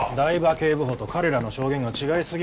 警部補と彼らの証言が違いすぎるんですよ。